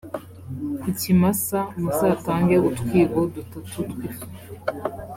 ku kimasa muzatange utwibo dutatu tw’ifu